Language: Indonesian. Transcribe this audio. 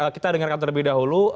kita dengarkan terlebih dahulu